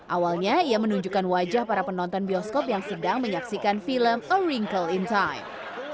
awalnya ia menunjukkan wajah para penonton bioskop yang sedang menyaksikan film a wrinkle in time